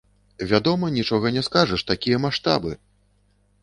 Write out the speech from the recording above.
Вядома, нічога не скажаш, такія маштабы!